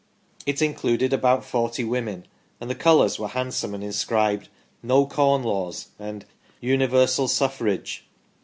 It included about forty women, and the colours were hand some and inscribed " No Corn Laws " and " Universal Suffrage